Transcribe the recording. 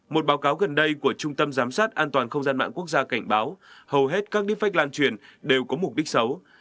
một báo cáo gần đây của trung tâm giám sát an toàn không gian mạng quốc gia cảnh báo hầu hết các defect lan truyền đều có mục đích xấu